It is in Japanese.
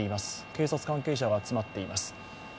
警察関係者が集まっています。